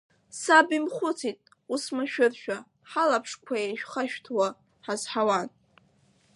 Саб имхәыцит, ус машәыршәа, ҳалаԥшқәа еишәхашәҭуа ҳазҳауан.